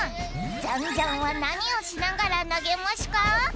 ジャンジャンはなにをしながらなげましゅか？